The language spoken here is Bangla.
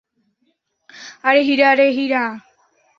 আরে হীরা রে হীরা।